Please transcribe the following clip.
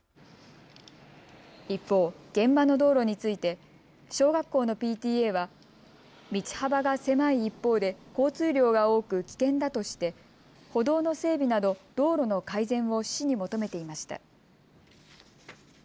一方、現場の道路について小学校のＰＴＡは道幅が狭い一方で交通量が多く危険だとして歩道の整備など、道路の改善を市に求めていました。